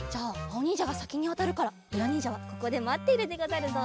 おにんじゃがさきにわたるからゆらにんじゃはここでまっているでござるぞ。